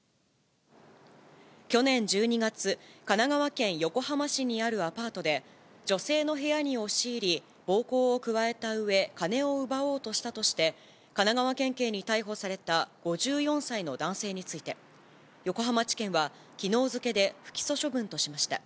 去年１２月、神奈川県横浜市にあるアパートで、女性の部屋に押し入り、暴行を加えたうえ、金を奪おうとしたとして、神奈川県警に逮捕された５４歳の男性について、横浜地検は、きのう付けで不起訴処分としました。